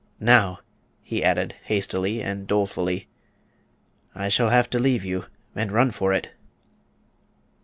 Now," he added hastily and dolefully, "I shall have to leave you and run for it."